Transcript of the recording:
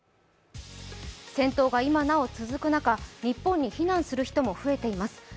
戦闘が今なお続く中日本に避難する人も増えています。